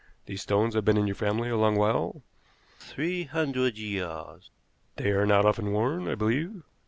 These stones have been in your family a long while?" "Three hundred years." "They are not often worn, I believe?"